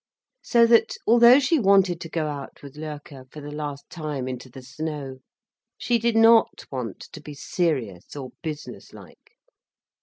So that, although she wanted to go out with Loerke for the last time into the snow, she did not want to be serious or businesslike.